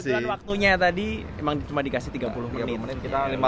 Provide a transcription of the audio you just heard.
sembilan waktunya tadi emang cuma dikasih tiga puluh menit